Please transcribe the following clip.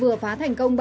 vừa phá thành công